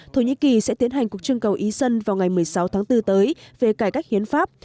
thổ nhĩ kỳ sẽ tiến hành cuộc trưng cầu ý dân vào ngày một mươi sáu tháng bốn tới về cải cách hiến pháp